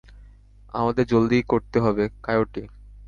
আমাদের জলদি করতে হবে, কায়োটি।